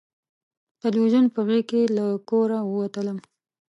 تلویزیون په غېږ له کوره ووتلم